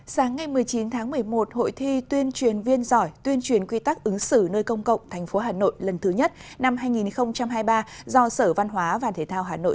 sáng ngày một mươi chín tháng một mươi một hội thi tuyên truyền viên giỏi tuyên truyền quy tắc ứng xử nơi công cộng tp hà nội lần thứ nhất năm hai nghìn hai mươi ba do sở văn hóa và thể thao hà nội